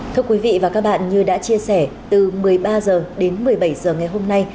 thưa quý vị và các bạn như đã chia sẻ từ một mươi ba h đến một mươi bảy h ngày hôm nay